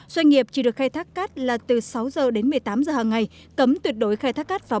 doanh nghiệp chỉ được khai thác cát là từ sáu giờ đến một mươi tám giờ hằng ngày cấm tuyệt đối khai thác cát vào